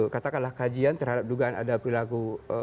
katakanlah kajian terhadap dugaan ada perilaku